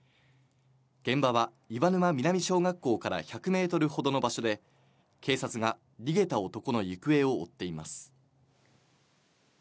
現場は岩沼南小学校から１００メートルほどの場所で、警察が逃げた男の行方を追っています。